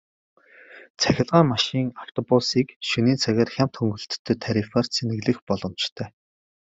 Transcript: Цахилгаан машин, автобусыг шөнийн цагаар хямд хөнгөлөлттэй тарифаар цэнэглэх боломжтой.